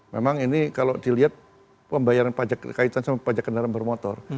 memang ini kalau dilihat pembayaran pajak kaitan sama pajak kendaraan bermotor